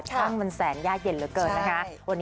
ช่างมันแสนยากเย็นเหลือเกินนะคะ